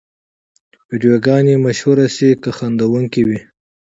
ویډیوګانې مشهورې شي که خندوونکې وي.